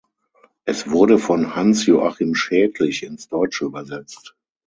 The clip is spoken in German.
Es wurde von Hans Joachim Schädlich ins Deutsche übersetzt.